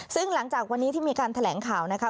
ซึ่งหลังจากวันนี้ที่มีการแถลงข่าวนะคะ